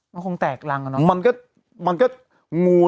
มันคงแตกลัง